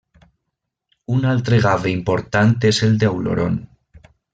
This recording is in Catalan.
Un altre gave important és el d'Auloron.